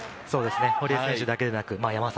堀江選手だけでなく山沢